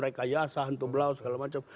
rekayasa hentoblau segala macam